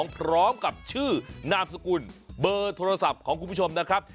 พร้อมกับชื่อนามสกุลเบอร์โทรศัพท์ของคุณผู้ชมนะครับ